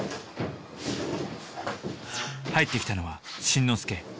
入ってきたのは慎之介。